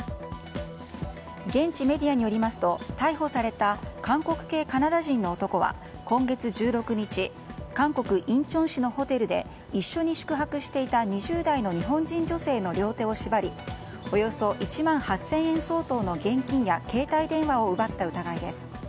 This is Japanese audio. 現地メディアによりますと逮捕された韓国系カナダ人の男は今月１６日韓国インチョン市のホテルで一緒に宿泊していた２０代の日本人女性の両手を縛りおよそ１万８０００円相当の現金や携帯電話を奪った疑いです。